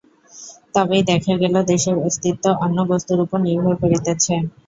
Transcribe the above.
তবেই দেখা গেল, দেশের অস্তিত্ব অন্য বস্তুর উপর নির্ভর করিতেছে।